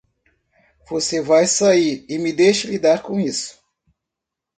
Você vai sair e me deixe lidar com isso?